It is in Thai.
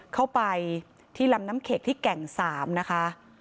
เข้าไปที่ลำน้ำเข็กที่แก่ง๓นะคะ